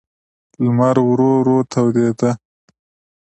لمر ورو ورو تودېده.